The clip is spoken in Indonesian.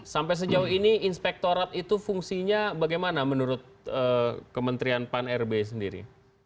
sampai sejauh ini inspektorat itu fungsinya bagaimana menurut kementerian pan rb sendiri